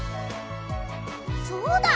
そうだ！